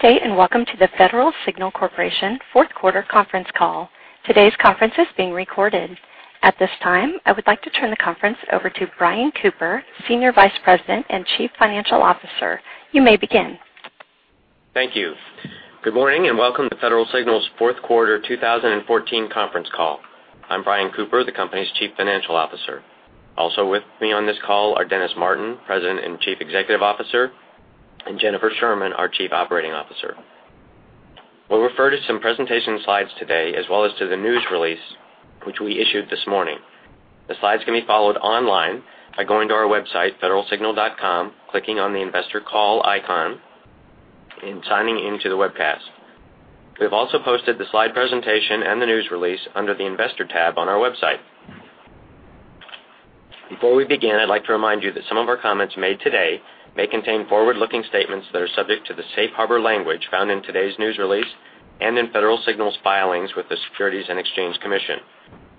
Good day, and welcome to the Federal Signal Corporation fourth quarter conference call. Today's conference is being recorded. At this time, I would like to turn the conference over to Brian Cooper, Senior Vice President and Chief Financial Officer. You may begin. Thank you. Good morning, and welcome to Federal Signal's fourth quarter 2014 conference call. I'm Brian Cooper, the company's Chief Financial Officer. Also with me on this call are Dennis Martin, President and Chief Executive Officer, and Jennifer Sherman, our Chief Operating Officer. We'll refer to some presentation slides today, as well as to the news release, which we issued this morning. The slides can be followed online by going to our website, federalsignal.com, clicking on the investor call icon, and signing into the webcast. We have also posted the slide presentation and the news release under the investor tab on our website. Before we begin, I'd like to remind you that some of our comments made today may contain forward-looking statements that are subject to the safe harbor language found in today's news release and in Federal Signal's filings with the Securities and Exchange Commission.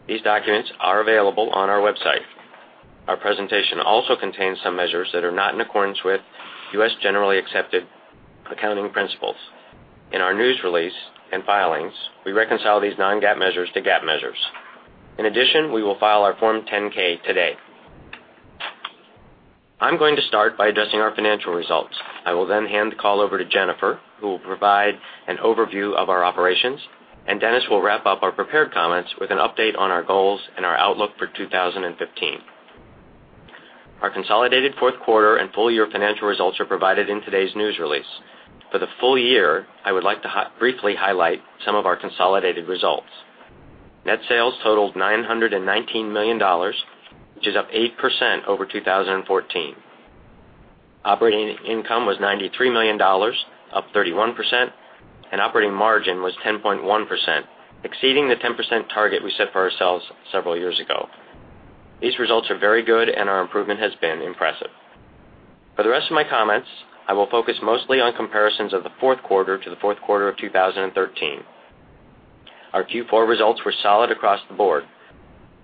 These documents are available on our website. Our presentation also contains some measures that are not in accordance with U.S. Generally Accepted Accounting Principles. In our news release and filings, we reconcile these non-GAAP measures to GAAP measures. In addition, we will file our Form 10-K today. I'm going to start by addressing our financial results. I will then hand the call over to Jennifer, who will provide an overview of our operations, Dennis will wrap up our prepared comments with an update on our goals and our outlook for 2015. Our consolidated fourth quarter and full year financial results are provided in today's news release. For the full year, I would like to briefly highlight some of our consolidated results. Net sales totaled $919 million, which is up 8% over 2013. Operating income was $93 million, up 31%. Operating margin was 10.1%, exceeding the 10% target we set for ourselves several years ago. These results are very good. Our improvement has been impressive. For the rest of my comments, I will focus mostly on comparisons of the fourth quarter to the fourth quarter of 2013. Our Q4 results were solid across the board.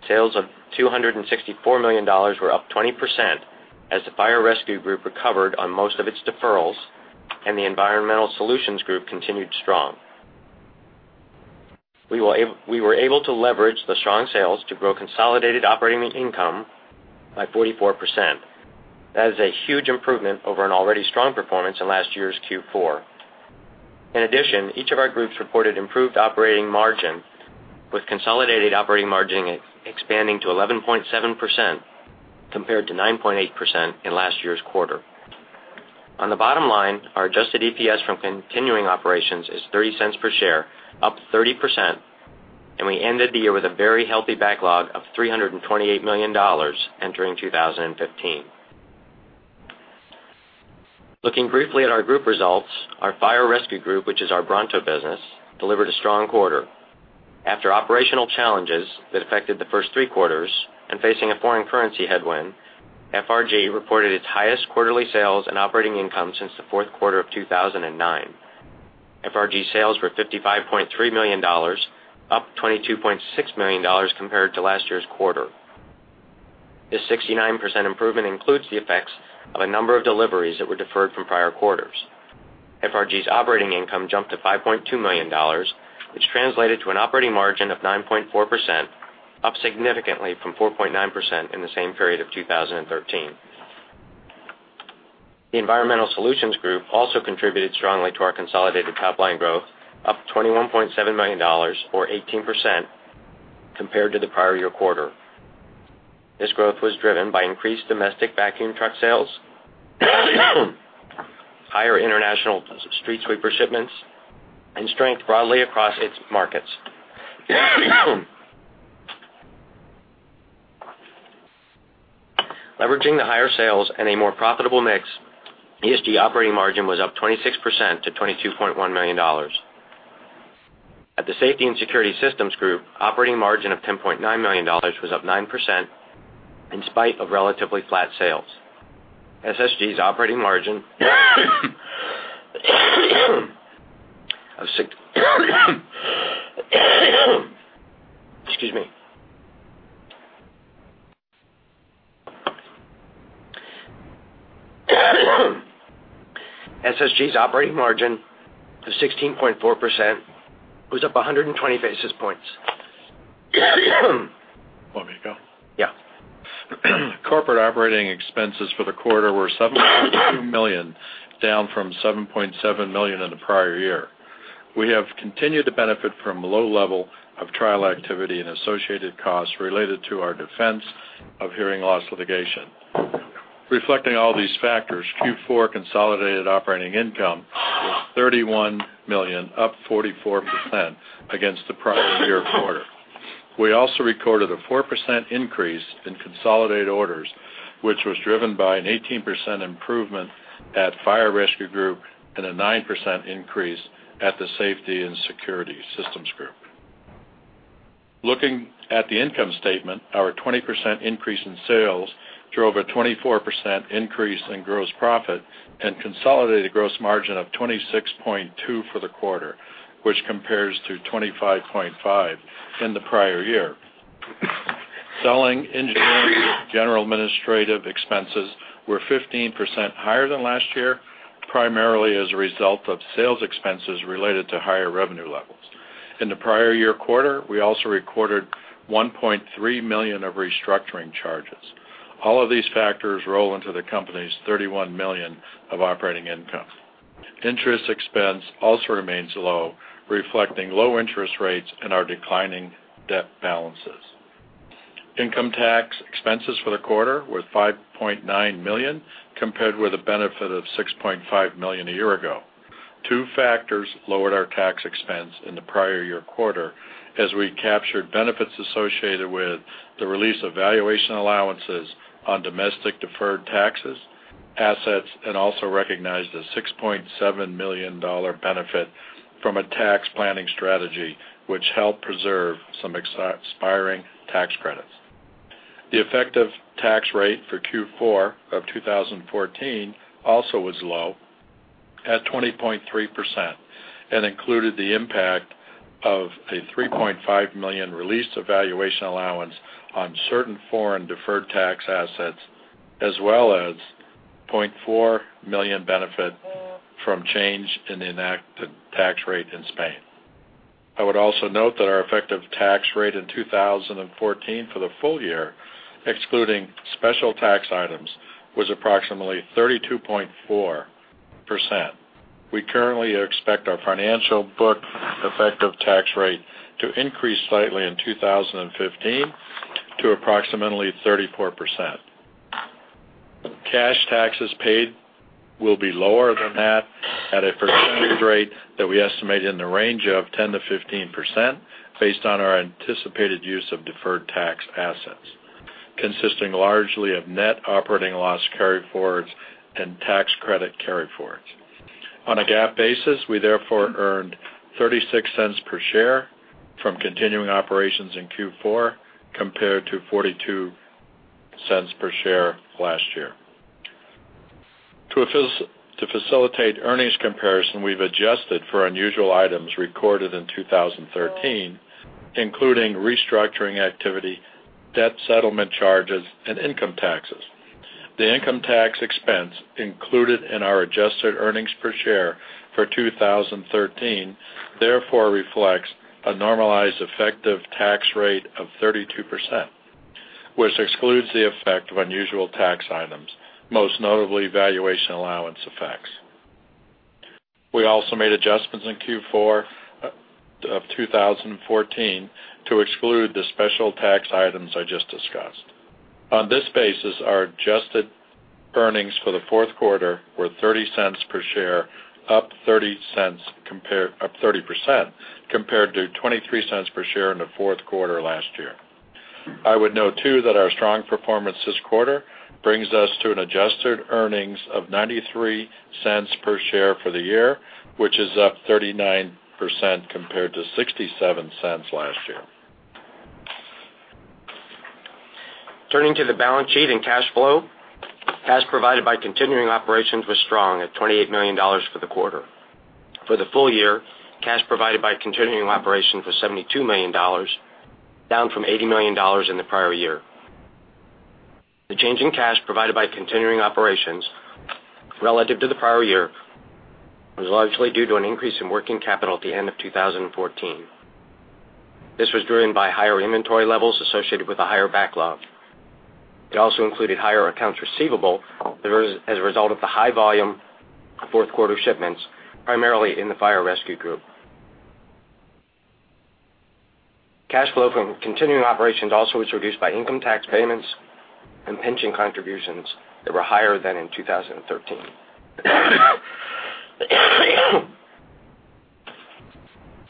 Sales of $264 million were up 20% as the Fire Rescue Group recovered on most of its deferrals and the Environmental Solutions Group continued strong. We were able to leverage the strong sales to grow consolidated operating income by 44%. That is a huge improvement over an already strong performance in last year's Q4. In addition, each of our groups reported improved operating margin, with consolidated operating margin expanding to 11.7% compared to 9.8% in last year's quarter. On the bottom line, our adjusted EPS from continuing operations is $0.30 per share, up 30%, and we ended the year with a very healthy backlog of $328 million entering 2015. Looking briefly at our group results, our Fire Rescue Group, which is our Bronto business, delivered a strong quarter. After operational challenges that affected the first three quarters and facing a foreign currency headwind, FRG reported its highest quarterly sales and operating income since the fourth quarter of 2009. FRG sales were $55.3 million, up $22.6 million compared to last year's quarter. This 69% improvement includes the effects of a number of deliveries that were deferred from prior quarters. FRG's operating income jumped to $5.2 million, which translated to an operating margin of 9.4%, up significantly from 4.9% in the same period of 2013. The Environmental Solutions Group also contributed strongly to our consolidated top-line growth, up $21.7 million, or 18%, compared to the prior year quarter. This growth was driven by increased domestic vacuum truck sales, higher international street sweeper shipments, and strength broadly across its markets. Leveraging the higher sales and a more profitable mix, ESG operating margin was up 26% to $22.1 million. At the Safety and Security Systems Group, operating margin of $10.9 million was up 9% in spite of relatively flat sales. SSG's operating margin to 16.4% was up 120 basis points. Want me to go? Yeah. Corporate operating expenses for the quarter were $7.2 million, down from $7.7 million in the prior year. We have continued to benefit from low level of trial activity and associated costs related to our defense of hearing loss litigation. Reflecting all these factors, Q4 consolidated operating income was $31 million, up 44% against the prior year quarter. We also recorded a 4% increase in consolidated orders, which was driven by an 18% improvement at Fire Rescue Group and a 9% increase at the Safety and Security Systems Group. Looking at the income statement, our 20% increase in sales drove a 24% increase in gross profit and consolidated gross margin of 26.2% for the quarter, which compares to 25.5% in the prior year. Selling, engineering, general administrative expenses were 15% higher than last year, primarily as a result of sales expenses related to higher revenue levels. In the prior year quarter, we also recorded $1.3 million of restructuring charges. All of these factors roll into the company's $31 million of operating income. Interest expense also remains low, reflecting low interest rates and our declining debt balances. Income tax expenses for the quarter were $5.9 million, compared with a benefit of $6.5 million a year ago. Two factors lowered our tax expense in the prior year quarter, as we captured benefits associated with the release of valuation allowances on domestic deferred taxes, assets, and also recognized a $6.7 million benefit from a tax planning strategy, which helped preserve some expiring tax credits. The effective tax rate for Q4 of 2014 also was low at 20.3% and included the impact of a $3.5 million released valuation allowance on certain foreign deferred tax assets, as well as $0.4 million benefit from change in the enacted tax rate in Spain. I would also note that our effective tax rate in 2014 for the full year, excluding special tax items, was approximately 32.4%. We currently expect our financial book effective tax rate to increase slightly in 2015 to approximately 34%. Cash taxes paid will be lower than that at a percentage rate that we estimate in the range of 10%-15% based on our anticipated use of deferred tax assets, consisting largely of net operating loss carryforwards and tax credit carryforwards. On a GAAP basis, we therefore earned $0.36 per share from continuing operations in Q4 compared to $0.42 per share last year. To facilitate earnings comparison, we've adjusted for unusual items recorded in 2013, including restructuring activity, debt settlement charges, and income taxes. The income tax expense included in our adjusted earnings per share for 2013 therefore reflects a normalized effective tax rate of 32%, which excludes the effect of unusual tax items, most notably valuation allowance effects. We also made adjustments in Q4 of 2014 to exclude the special tax items I just discussed. On this basis, our adjusted earnings for the fourth quarter were $0.30 per share, up 30% compared to $0.23 per share in the fourth quarter last year. I would note too that our strong performance this quarter brings us to an adjusted earnings of $0.93 per share for the year, which is up 39% compared to $0.67 last year. Turning to the balance sheet and cash flow, cash provided by continuing operations was strong at $28 million for the quarter. For the full year, cash provided by continuing operations was $72 million, down from $80 million in the prior year. The change in cash provided by continuing operations relative to the prior year was largely due to an increase in working capital at the end of 2014. This was driven by higher inventory levels associated with a higher backlog. It also included higher accounts receivable as a result of the high volume fourth quarter shipments, primarily in the Fire Rescue Group. Cash flow from continuing operations also was reduced by income tax payments and pension contributions that were higher than in 2013.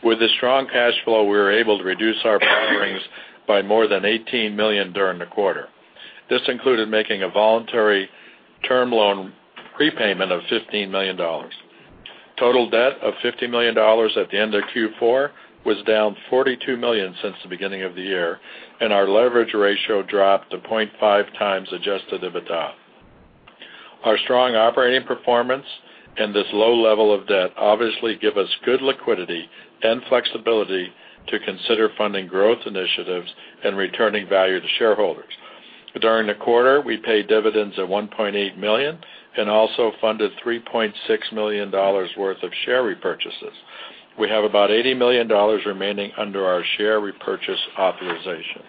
With the strong cash flow, we were able to reduce our borrowings by more than $18 million during the quarter. This included making a voluntary term loan prepayment of $15 million. Total debt of $50 million at the end of Q4 was down $42 million since the beginning of the year, and our leverage ratio dropped to 0.5 times adjusted EBITDA. Our strong operating performance and this low level of debt obviously give us good liquidity and flexibility to consider funding growth initiatives and returning value to shareholders. During the quarter, we paid dividends of $1.8 million and also funded $3.6 million worth of share repurchases. We have about $80 million remaining under our share repurchase authorization.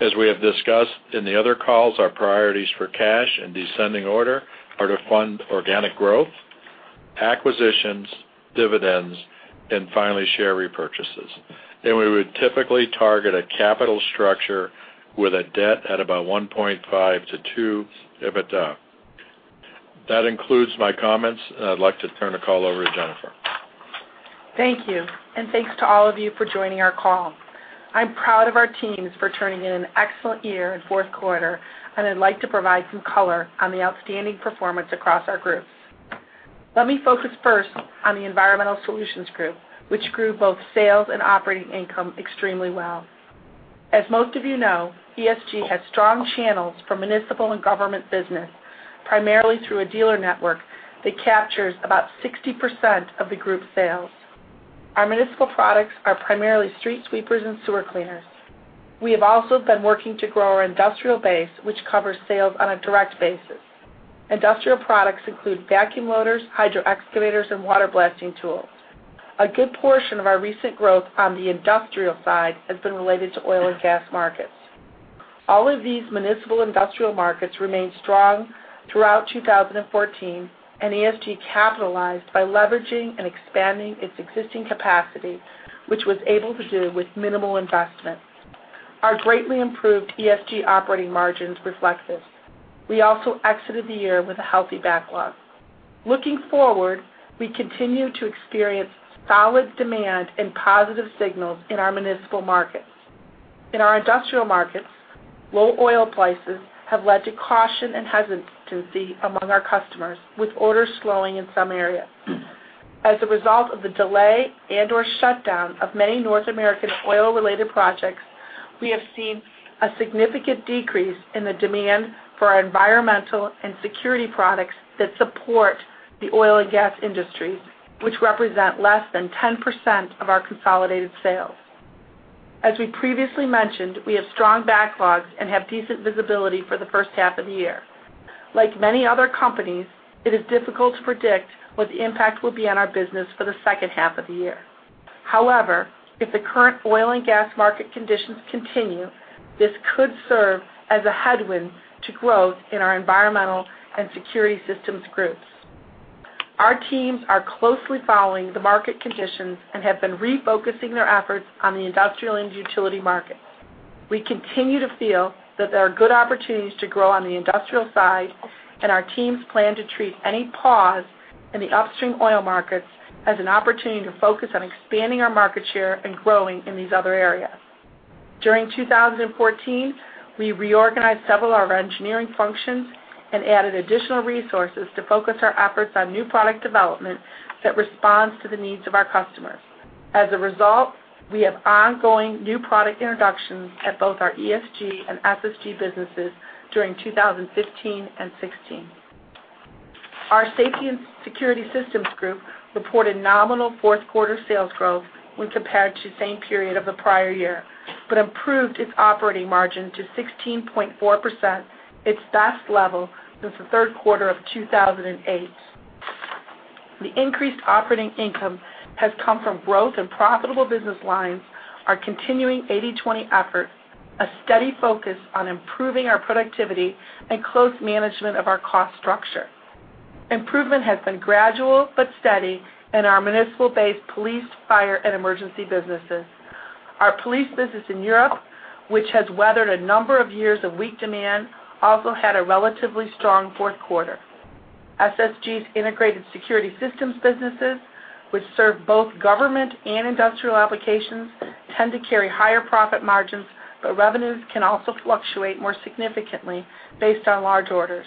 As we have discussed in the other calls, our priorities for cash in descending order are to fund organic growth, acquisitions, dividends, and finally, share repurchases. We would typically target a capital structure with a debt at about 1.5 to 2 EBITDA. That includes my comments, and I'd like to turn the call over to Jennifer. Thank you, and thanks to all of you for joining our call. I'm proud of our teams for turning in an excellent year in fourth quarter, and I'd like to provide some color on the outstanding performance across our groups. Let me focus first on the Environmental Solutions Group, which grew both sales and operating income extremely well. As most of you know, ESG has strong channels for municipal and government business, primarily through a dealer network that captures about 60% of the group sales. Our municipal products are primarily street sweepers and sewer cleaners. We have also been working to grow our industrial base, which covers sales on a direct basis. Industrial products include vacuum loaders, hydro excavators, and water blasting tools. A good portion of our recent growth on the industrial side has been related to oil and gas markets. All of these municipal industrial markets remained strong throughout 2014, and ESG capitalized by leveraging and expanding its existing capacity, which was able to do with minimal investment. Our greatly improved ESG operating margins reflect this. We also exited the year with a healthy backlog. Looking forward, we continue to experience solid demand and positive signals in our municipal markets. In our industrial markets, low oil prices have led to caution and hesitancy among our customers, with orders slowing in some areas. As a result of the delay and/or shutdown of many North American oil-related projects, we have seen a significant decrease in the demand for our environmental and security products that support the oil and gas industry, which represent less than 10% of our consolidated sales. As we previously mentioned, we have strong backlogs and have decent visibility for the first half of the year. Like many other companies, it is difficult to predict what the impact will be on our business for the second half of the year. However, if the current oil and gas market conditions continue, this could serve as a headwind to growth in our environmental and security systems groups. Our teams are closely following the market conditions and have been refocusing their efforts on the industrial and utility markets. We continue to feel that there are good opportunities to grow on the industrial side, and our teams plan to treat any pause in the upstream oil markets as an opportunity to focus on expanding our market share and growing in these other areas. During 2014, we reorganized several of our engineering functions and added additional resources to focus our efforts on new product development that responds to the needs of our customers. As a result, we have ongoing new product introductions at both our ESG and SSG businesses during 2015 and 2016. Our Safety and Security Systems Group reported nominal fourth quarter sales growth when compared to the same period of the prior year, but improved its operating margin to 16.4%, its best level since the third quarter of 2008. The increased operating income has come from growth in profitable business lines, our continuing 80/20 efforts, a steady focus on improving our productivity, and close management of our cost structure. Improvement has been gradual but steady in our municipal-based police, fire, and emergency businesses. Our police business in Europe, which has weathered a number of years of weak demand, also had a relatively strong fourth quarter. SSG's integrated security systems businesses, which serve both government and industrial applications, tend to carry higher profit margins, but revenues can also fluctuate more significantly based on large orders.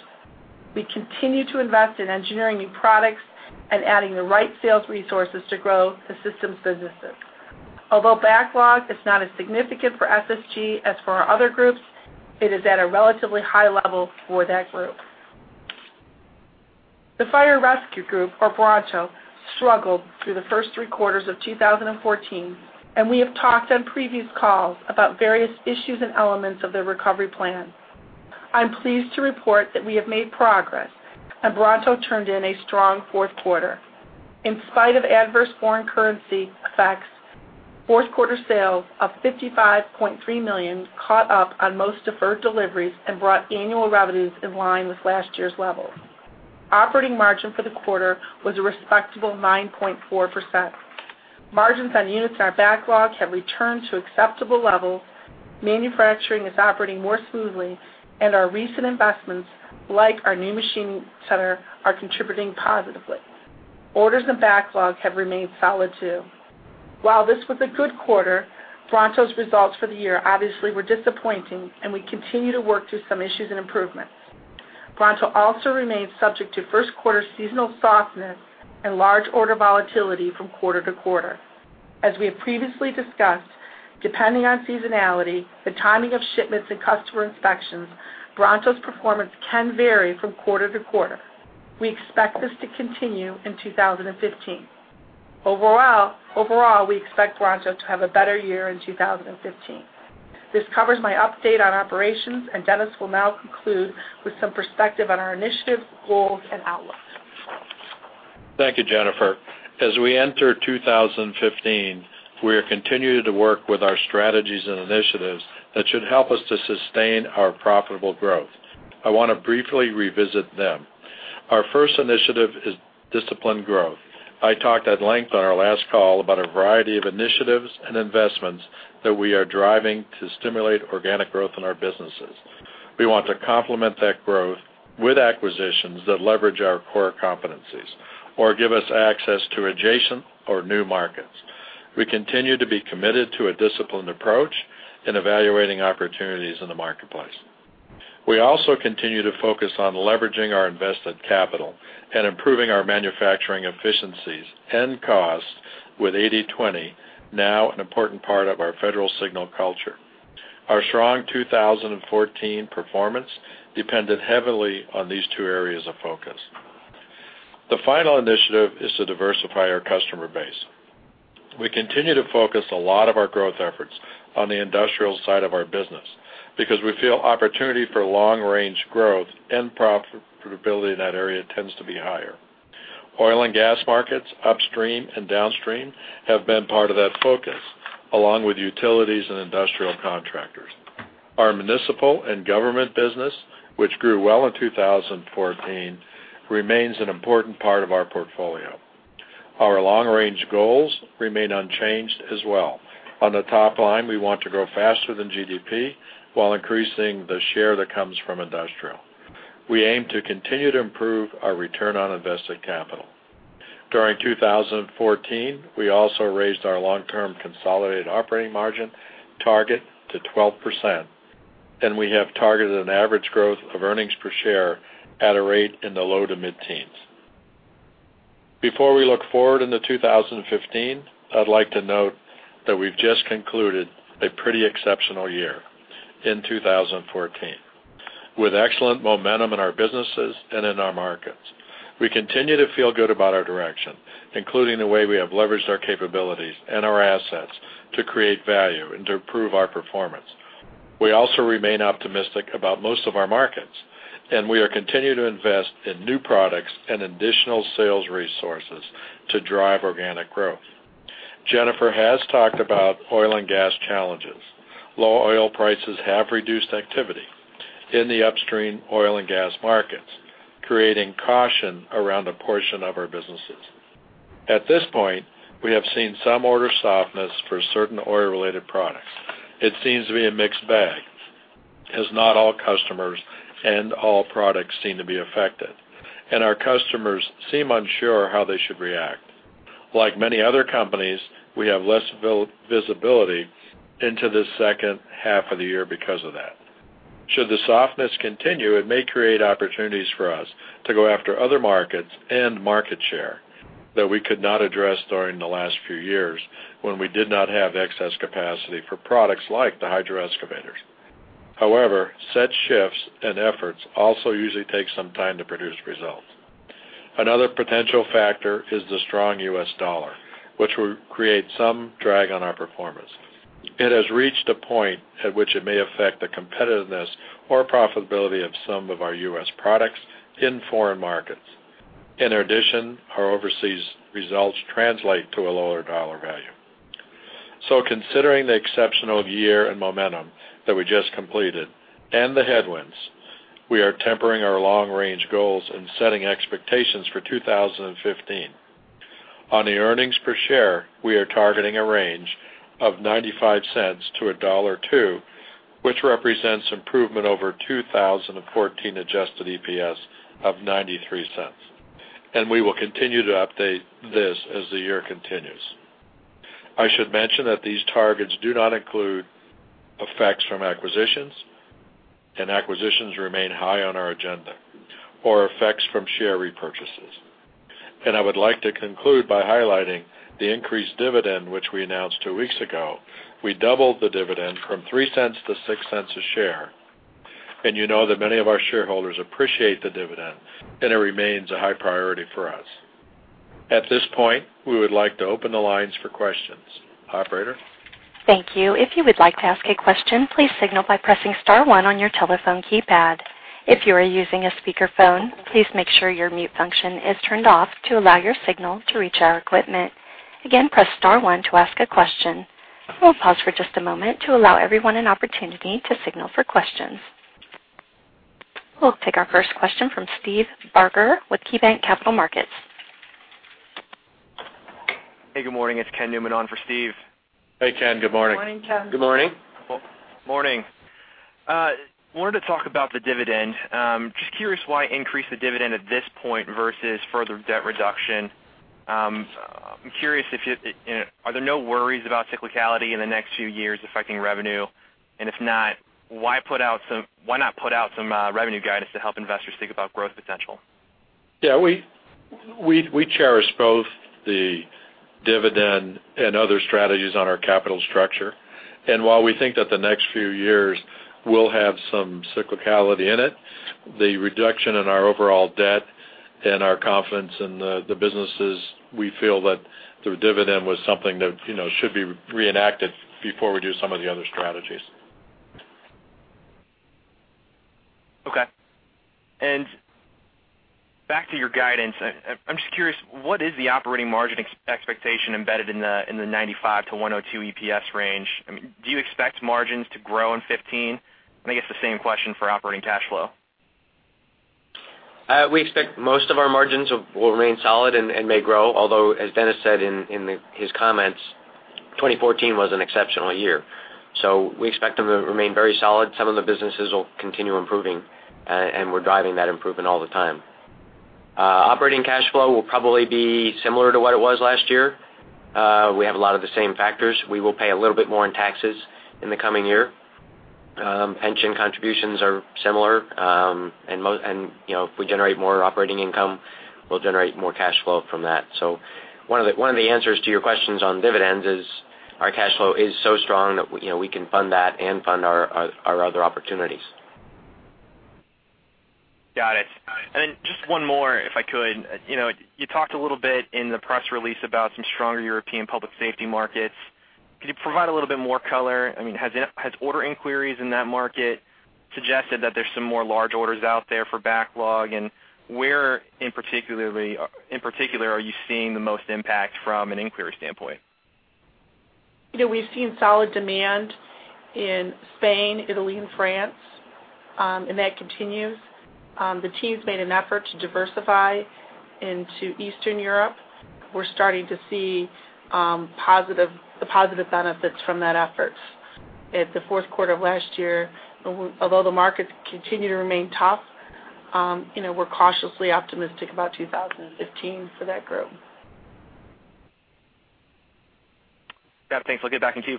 We continue to invest in engineering new products and adding the right sales resources to grow the systems businesses. Although backlog is not as significant for SSG as for our other groups, it is at a relatively high level for that group. The Fire Rescue Group, or Bronto, struggled through the first three quarters of 2014, and we have talked on previous calls about various issues and elements of their recovery plan. I'm pleased to report that we have made progress, and Bronto turned in a strong fourth quarter. In spite of adverse foreign currency effects, fourth quarter sales of $55.3 million caught up on most deferred deliveries and brought annual revenues in line with last year's levels. Operating margin for the quarter was a respectable 9.4%. Margins on units in our backlog have returned to acceptable levels, manufacturing is operating more smoothly, and our recent investments, like our new machining center, are contributing positively. Orders and backlog have remained solid, too. While this was a good quarter, Bronto's results for the year obviously were disappointing, and we continue to work through some issues and improvements. Bronto also remains subject to first quarter seasonal softness and large order volatility from quarter to quarter. As we have previously discussed, depending on seasonality, the timing of shipments and customer inspections, Bronto's performance can vary from quarter to quarter. We expect this to continue in 2015. Overall, we expect Bronto to have a better year in 2015. This covers my update on operations, and Dennis will now conclude with some perspective on our initiatives, goals, and outlooks. Thank you, Jennifer. As we enter 2015, we are continuing to work with our strategies and initiatives that should help us to sustain our profitable growth. I want to briefly revisit them. Our first initiative is disciplined growth. I talked at length on our last call about a variety of initiatives and investments that we are driving to stimulate organic growth in our businesses. We want to complement that growth with acquisitions that leverage our core competencies or give us access to adjacent or new markets. We continue to be committed to a disciplined approach in evaluating opportunities in the marketplace. We also continue to focus on leveraging our invested capital and improving our manufacturing efficiencies and costs with 80/20, now an important part of our Federal Signal culture. Our strong 2014 performance depended heavily on these two areas of focus. The final initiative is to diversify our customer base. We continue to focus a lot of our growth efforts on the industrial side of our business because we feel opportunity for long range growth and profitability in that area tends to be higher. Oil and gas markets, upstream and downstream, have been part of that focus, along with utilities and industrial contractors. Our municipal and government business, which grew well in 2014, remains an important part of our portfolio. Our long range goals remain unchanged as well. On the top line, we want to grow faster than GDP while increasing the share that comes from industrial. We aim to continue to improve our return on invested capital. During 2014, we also raised our long-term consolidated operating margin target to 12%, and we have targeted an average growth of earnings per share at a rate in the low to mid-teens. Before we look forward into 2015, I'd like to note that we've just concluded a pretty exceptional year in 2014, with excellent momentum in our businesses and in our markets. We continue to feel good about our direction, including the way we have leveraged our capabilities and our assets to create value and to improve our performance. We also remain optimistic about most of our markets, and we are continuing to invest in new products and additional sales resources to drive organic growth. Jennifer has talked about oil and gas challenges. Low oil prices have reduced activity in the upstream oil and gas markets, creating caution around a portion of our businesses. At this point, we have seen some order softness for certain oil-related products. It seems to be a mixed bag, as not all customers and all products seem to be affected, and our customers seem unsure how they should react. Like many other companies, we have less visibility into the second half of the year because of that. Should the softness continue, it may create opportunities for us to go after other markets and market share that we could not address during the last few years when we did not have excess capacity for products like the hydro excavators. However, said shifts and efforts also usually take some time to produce results. Another potential factor is the strong U.S. dollar, which will create some drag on our performance. It has reached a point at which it may affect the competitiveness or profitability of some of our U.S. products in foreign markets. In addition, our overseas results translate to a lower dollar value. Considering the exceptional year and momentum that we just completed and the headwinds, we are tempering our long-range goals and setting expectations for 2015. On the earnings per share, we are targeting a range of $0.95-$1.02, which represents improvement over 2014 adjusted EPS of $0.93. We will continue to update this as the year continues. I should mention that these targets do not include effects from acquisitions. Acquisitions remain high on our agenda or effects from share repurchases. I would like to conclude by highlighting the increased dividend, which we announced two weeks ago. We doubled the dividend from $0.03-$0.06 a share, and you know that many of our shareholders appreciate the dividend. It remains a high priority for us. At this point, we would like to open the lines for questions. Operator? Thank you. If you would like to ask a question, please signal by pressing *1 on your telephone keypad. If you are using a speakerphone, please make sure your mute function is turned off to allow your signal to reach our equipment. Again, press *1 to ask a question. We will pause for just a moment to allow everyone an opportunity to signal for questions. We will take our first question from Steve Barger with KeyBanc Capital Markets. Hey, good morning. It is Ken Newman on for Steve. Hey, Ken. Good morning. Good morning, Ken. Good morning. Morning. Wanted to talk about the dividend. Just curious why increase the dividend at this point versus further debt reduction. I'm curious, are there no worries about cyclicality in the next few years affecting revenue? If not, why not put out some revenue guidance to help investors think about growth potential? Yeah, we cherish both the dividend and other strategies on our capital structure. While we think that the next few years will have some cyclicality in it, the reduction in our overall debt and our confidence in the businesses, we feel that the dividend was something that should be reenacted before we do some of the other strategies. Okay. Back to your guidance. I'm just curious, what is the operating margin expectation embedded in the $0.95-$1.02 EPS range? Do you expect margins to grow in 2015? I guess the same question for operating cash flow. We expect most of our margins will remain solid and may grow, although, as Dennis said in his comments, 2014 was an exceptional year. We expect them to remain very solid. Some of the businesses will continue improving, and we're driving that improvement all the time. Operating cash flow will probably be similar to what it was last year. We have a lot of the same factors. We will pay a little bit more in taxes in the coming year. Pension contributions are similar. If we generate more operating income We'll generate more cash flow from that. One of the answers to your questions on dividends is our cash flow is so strong that we can fund that and fund our other opportunities. Got it. Then just one more, if I could. You talked a little bit in the press release about some stronger European public safety markets. Could you provide a little bit more color? Has order inquiries in that market suggested that there's some more large orders out there for backlog? Where, in particular, are you seeing the most impact from an inquiry standpoint? We've seen solid demand in Spain, Italy, and France, and that continues. The team's made an effort to diversify into Eastern Europe. We're starting to see the positive benefits from that effort. At the fourth quarter of last year, although the markets continue to remain tough, we're cautiously optimistic about 2015 for that group. Got it. Thanks. I'll get back in queue.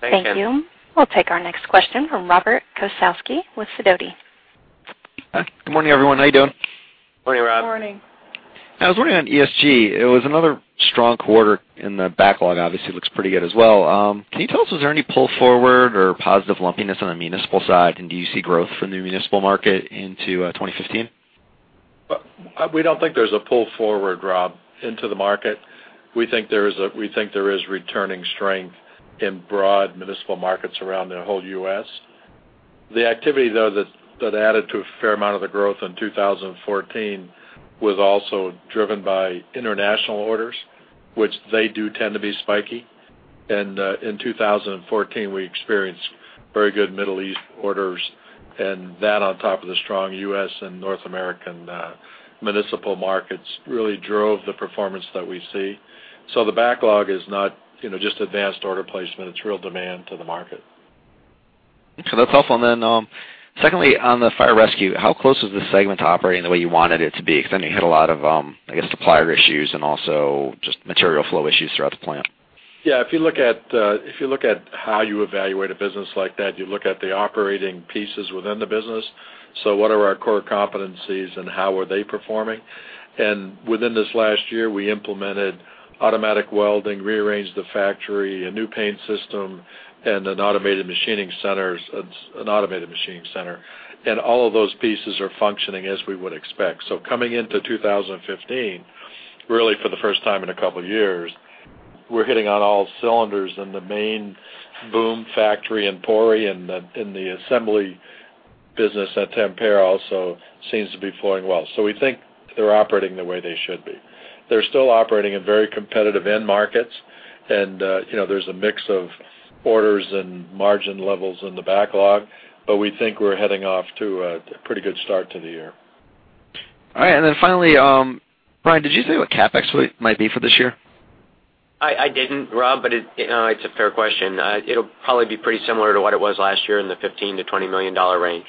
Thanks. Thank you. We'll take our next question from Robert Kosowski with Sidoti. Hi. Good morning, everyone. How you doing? Morning, Rob. Morning. I was wondering on ESG. It was another strong quarter, and the backlog obviously looks pretty good as well. Can you tell us, is there any pull forward or positive lumpiness on the municipal side? Do you see growth from the municipal market into 2015? We don't think there's a pull forward, Rob, into the market. We think there is returning strength in broad municipal markets around the whole U.S. The activity, though, that added to a a fair amount of the growth in 2014 was also driven by international orders, which they do tend to be spiky. In 2014, we experienced very good Middle East orders, and that on top of the strong U.S. and North American municipal markets really drove the performance that we see. The backlog is not just advanced order placement. It's real demand to the market. That's helpful. Secondly, on the Fire Rescue, how close is this segment operating the way you wanted it to be? Because I know you had a lot of, I guess, supplier issues and also just material flow issues throughout the plant. Yeah, if you look at how you evaluate a business like that, you look at the operating pieces within the business. What are our core competencies and how are they performing? Within this last year, we implemented automatic welding, rearranged the factory, a new paint system, and an automated machining center. All of those pieces are functioning as we would expect. Coming into 2015, really for the first time in a couple of years, we're hitting on all cylinders in the main boom factory in Pori, and the assembly business at Tampere also seems to be flowing well. We think they're operating the way they should be. They're still operating in very competitive end markets, and there's a mix of orders and margin levels in the backlog, but we think we're heading off to a pretty good start to the year. Right. Finally, Brian, did you say what CapEx might be for this year? I didn't, Rob, it's a fair question. It'll probably be pretty similar to what it was last year in the $15 million-$20 million range.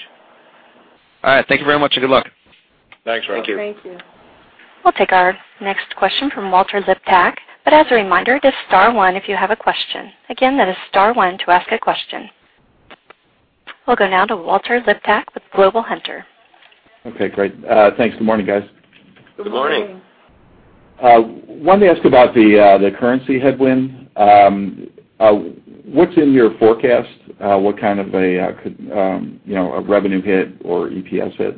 All right. Thank you very much and good luck. Thanks, Rob. Thank you. We'll take our next question from Walter Liptak. As a reminder, hit star one if you have a question. Again, that is star one to ask a question. We'll go now to Walter Liptak with Global Hunter. Okay, great. Thanks. Good morning, guys. Good morning. Good morning. I wanted to ask about the currency headwind. What's in your forecast? What kind of a revenue hit or EPS hit?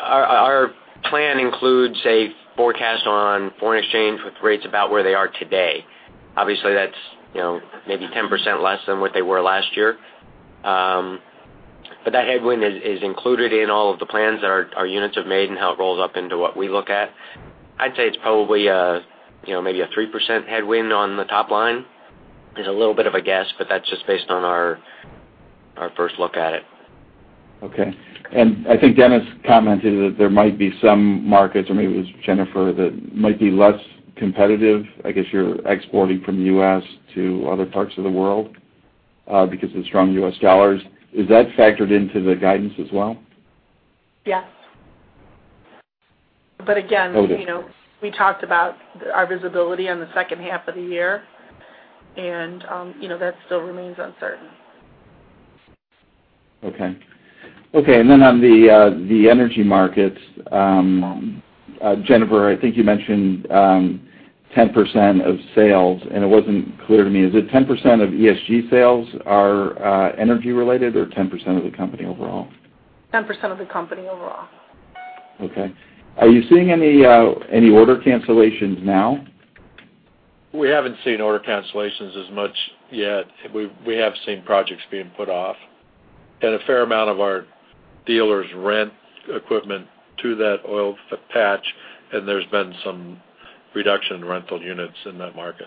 Our plan includes a forecast on foreign exchange with rates about where they are today. That's maybe 10% less than what they were last year. That headwind is included in all of the plans that our units have made and how it rolls up into what we look at. I'd say it's probably maybe a 3% headwind on the top line. It's a little bit of a guess, but that's just based on our first look at it. Okay. I think Dennis commented that there might be some markets, or maybe it was Jennifer, that might be less competitive. I guess you're exporting from the U.S. to other parts of the world because of the strong U.S. dollars. Is that factored into the guidance as well? Yes. Okay We talked about our visibility on the second half of the year, and that still remains uncertain. Okay. On the energy markets, Jennifer, I think you mentioned 10% of sales, and it wasn't clear to me. Is it 10% of ESG sales are energy-related or 10% of the company overall? 10% of the company overall. Okay. Are you seeing any order cancellations now? We haven't seen order cancellations as much yet. We have seen projects being put off. A fair amount of our dealers rent equipment to that oil patch, and there's been some reduction in rental units in that market.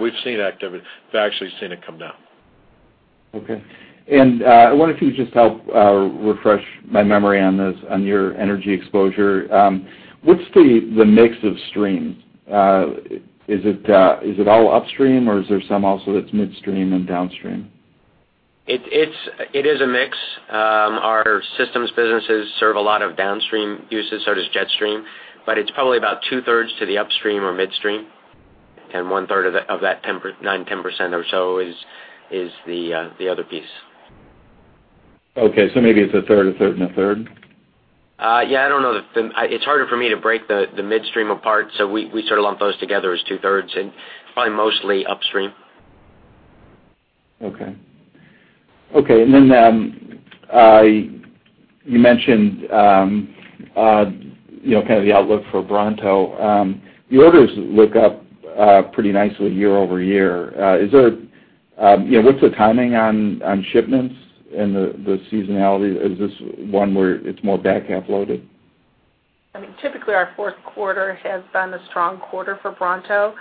We've seen activity. We've actually seen it come down. Okay. I wonder if you could just help refresh my memory on this, on your energy exposure. What's the mix of streams? Is it all upstream, or is there some also that's midstream and downstream? It is a mix. Our systems businesses serve a lot of downstream uses, so does Jetstream. It's probably about two-thirds to the upstream or midstream. one third of that nine, 10% or so is the other piece. Okay. Maybe it's a third, a third, and a third. Yeah. I don't know. It's harder for me to break the midstream apart, so we sort of lump those together as two-thirds, and it's probably mostly upstream. Okay. You mentioned kind of the outlook for Bronto. The orders look up pretty nicely year-over-year. What's the timing on shipments and the seasonality? Is this one where it's more back-half loaded? I mean, typically, our fourth quarter has been a strong quarter for Bronto,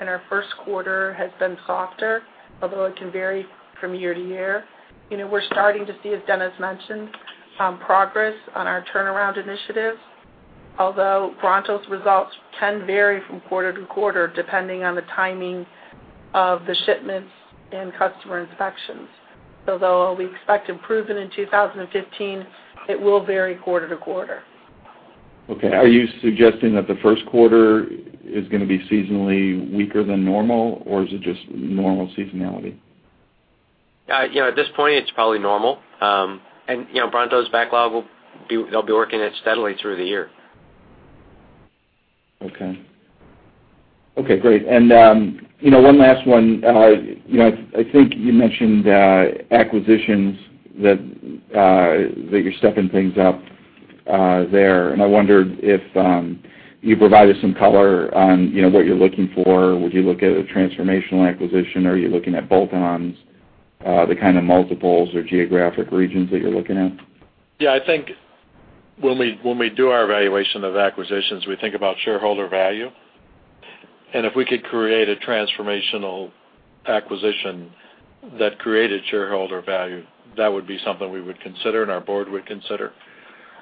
and our first quarter has been softer, although it can vary from year to year. We're starting to see, as Dennis mentioned, progress on our turnaround initiative, although Bronto's results can vary from quarter to quarter depending on the timing of the shipments and customer inspections. Although we expect improvement in 2015, it will vary quarter to quarter. Okay. Are you suggesting that the first quarter is going to be seasonally weaker than normal, or is it just normal seasonality? At this point, it's probably normal. Bronto's backlog, they'll be working it steadily through the year. Okay. Great. One last one. I think you mentioned acquisitions, that you're stepping things up there, and I wondered if you provided some color on what you're looking for. Would you look at a transformational acquisition? Are you looking at bolt-ons, the kind of multiples or geographic regions that you're looking at? I think when we do our evaluation of acquisitions, we think about shareholder value. If we could create a transformational acquisition that created shareholder value, that would be something we would consider and our board would consider.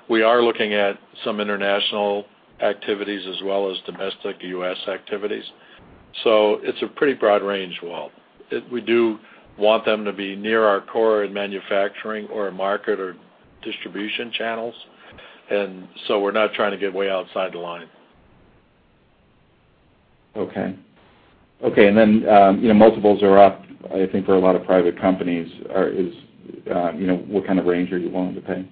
We are looking at some international activities as well as domestic U.S. activities. It's a pretty broad range, Walt. We do want them to be near our core in manufacturing or market or distribution channels. We're not trying to get way outside the line. Okay. Multiples are up, I think, for a lot of private companies. What kind of range are you willing to pay?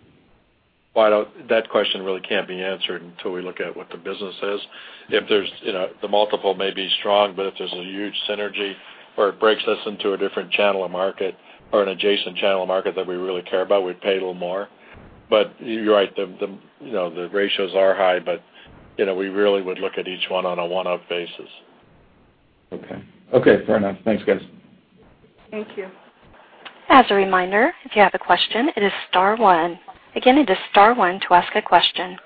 Well, that question really can't be answered until we look at what the business is. The multiple may be strong. If there's a huge synergy or it breaks us into a different channel of market or an adjacent channel market that we really care about, we'd pay a little more. You're right, the ratios are high, but we really would look at each one on a one-off basis. Okay. Fair enough. Thanks, guys. Thank you. As a reminder, if you have a question, it is star one. Again, it is star one to ask a question.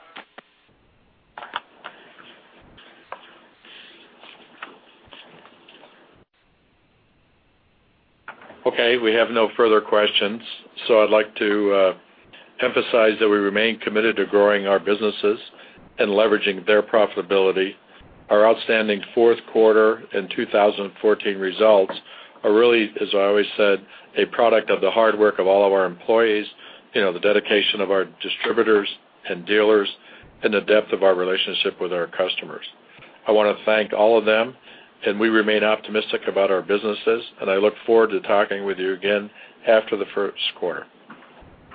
Okay. We have no further questions, I'd like to emphasize that we remain committed to growing our businesses and leveraging their profitability. Our outstanding fourth quarter and 2014 results are really, as I always said, a product of the hard work of all of our employees, the dedication of our distributors and dealers, and the depth of our relationship with our customers. I want to thank all of them, and we remain optimistic about our businesses, and I look forward to talking with you again after the first quarter.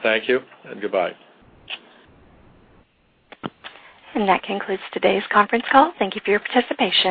Thank you and goodbye. That concludes today's conference call. Thank you for your participation.